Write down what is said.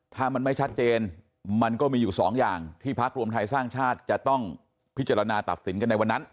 ถ้ามันไม่ชัดเจนมันก็มีอยู่สองอย่างที่พักรวมไทยสร้างชาติจะต้องพิจารณาตัดสินกันในวันนั้น